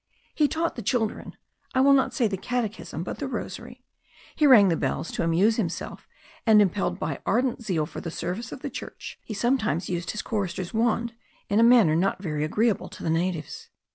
He taught the children, I will not say the Catechism, but the Rosary; he rang the bells to amuse himself; and impelled by ardent zeal for the service of the church, he sometimes used his chorister's wand in a manner not very agreeable to the natives.